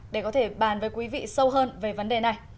để có thể bàn với quý vị sâu hơn về vấn đề này